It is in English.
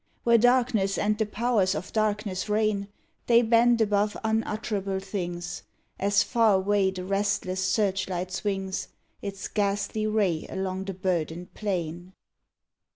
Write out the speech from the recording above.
Where darkness and the powers of darkness reign, They bend above unutterable things, As far away the restless searchlight swings Its ghastly ray along the burdened plain.